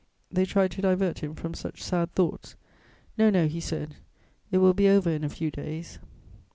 They tried to divert him from such sad thoughts: "'No, no,' he said; 'it will be over in a few days.'"